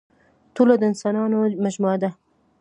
ټولنه د اسانانو مجموعه ده.